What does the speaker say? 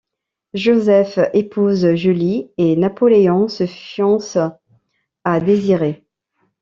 Joseph épouse Julie et Napoléon se fiance à Désirée.